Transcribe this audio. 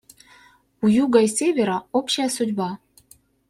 У Юга и Севера общая судьба.